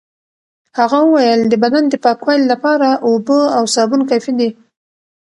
هغه وویل د بدن د پاکوالي لپاره اوبه او سابون کافي دي.